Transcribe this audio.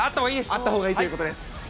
あったほうがいいということです。